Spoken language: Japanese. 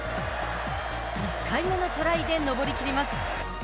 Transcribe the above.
１回目のトライで登りきります。